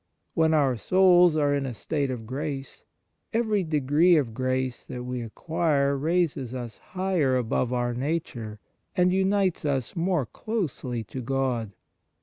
1 When our souls are in a state of grace, every degree of grace that we acquire raises us higher above our nature and unites us more closely to God.